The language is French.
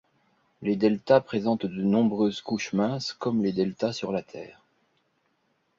Les deltas présentent de nombreuses couches minces comme les deltas sur la Terre.